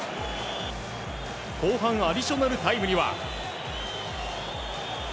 後半アディショナルタイムには。